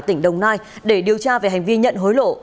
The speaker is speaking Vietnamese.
tỉnh đồng nai để điều tra về hành vi nhận hối lộ